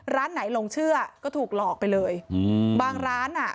ร้านไหนหลงเชื่อก็ถูกหลอกไปเลยอืมบางร้านอ่ะ